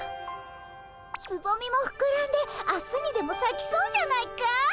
つぼみもふくらんで明日にでもさきそうじゃないかい。